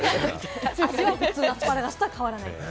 味は普通のアスパラガスと変わらない。